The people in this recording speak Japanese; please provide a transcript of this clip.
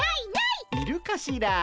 いるかしら？